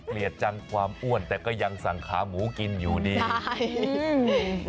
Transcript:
จังความอ้วนแต่ก็ยังสั่งขาหมูกินอยู่ดีใช่